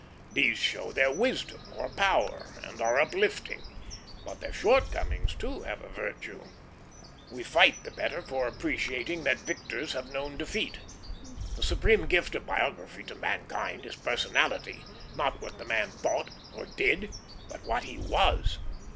These show their wisdom, or power, and are uplifting; but their shortcomings, too, have a virtue. We fight the better for appreciating that victors have known defeat. The supreme gift of biography to mankind is personality; not what the man thought or did, but what he was.